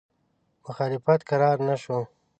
مخالفت کرار نه شو.